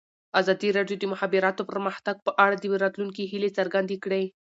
ازادي راډیو د د مخابراتو پرمختګ په اړه د راتلونکي هیلې څرګندې کړې.